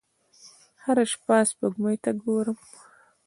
هره شپه سپوږمۍ ته ګورم